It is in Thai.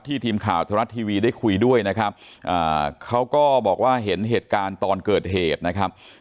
ทีมข่าวธรรมรัฐทีวีได้คุยด้วยนะครับเขาก็บอกว่าเห็นเหตุการณ์ตอนเกิดเหตุนะครับ